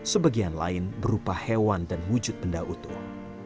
sebagian lain berupa hewan dan wujud benda utuh